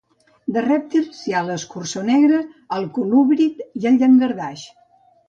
De rèptils hi ha l'escurçó negre, el colúbrid i el llangardaix.